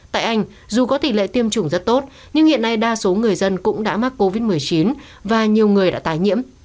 tại anh dù có tỷ lệ tiêm chủng rất tốt nhưng hiện nay đa số người dân cũng đã mắc covid một mươi chín và nhiều người đã tái nhiễm